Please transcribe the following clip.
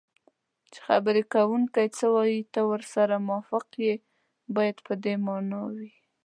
چې خبرې کوونکی څه وایي ته ورسره موافق یې باید په دې مانا وي